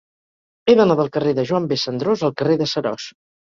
He d'anar del carrer de Joan B. Cendrós al carrer de Seròs.